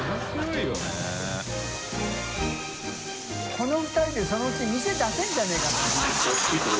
この２人でそのうち店出せるんじゃないかと思って。